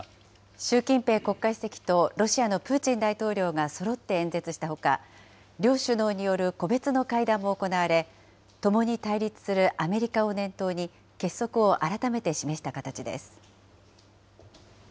習近平国家主席とロシアのプーチン大統領がそろって演説したほか、両首脳による個別の会談も行われ、共に対立するアメリカを念頭に、結束を改めて示した形です。